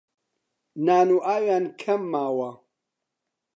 نان و ئاویان کەم ماوە